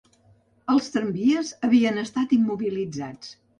Els tramvies, havien estat immobilitzats